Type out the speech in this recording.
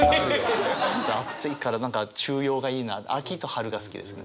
暑いから何か中庸がいいな秋と春が好きですね。